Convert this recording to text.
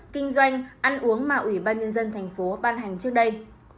kinh doanh ăn uống mà ủy ban nhân dân tp ban hành trước đây